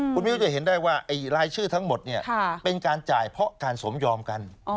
คุณมิ้วจะเห็นได้ว่ารายชื่อทั้งหมดเป็นการจ่ายเพราะการสมยอมกัน